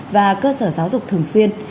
và cơ sở giáo dục thường xuyên